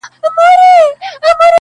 • سینه غواړمه چي تاب د لمبو راوړي..